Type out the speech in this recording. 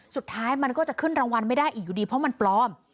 สุดท้ายมันก็จะขึ้นรางวัลไม่ได้อีกอยู่ดีเพราะมันปลอม